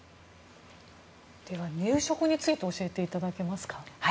入植について教えていただけますか？